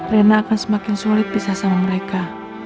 rina akan semakin sulit bisa sama mereka